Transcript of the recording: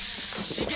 刺激！